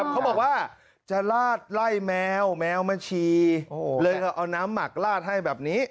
เขาบอกว่าจะลาดไล่แมวแมวมาฉี่เลยเอาน้ำหมักลาดให้แบบนี้